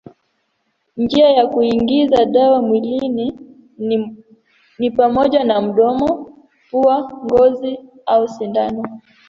Njia za kuingiza dawa mwilini ni pamoja na mdomo, pua, ngozi au sindano.